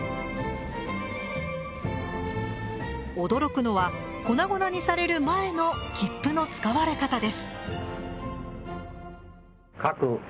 驚くのは粉々にされる前の切符の使われ方です。